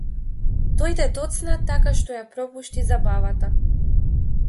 Дојде доцна така што ја пропушти забавата.